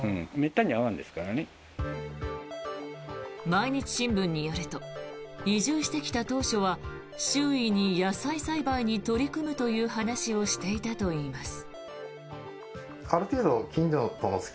毎日新聞によると移住してきた当初は周囲に野菜栽培に取り組むという話をしていたといいます。